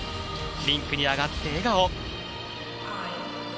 リンクに上がって笑顔。